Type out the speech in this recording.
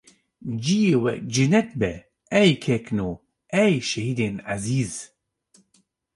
ciyê we cennet be ey kekno, ey şehîdên ezîz.